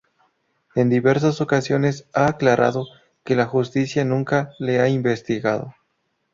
En diversas ocasiones ha aclarado que la justicia nunca le ha investigado.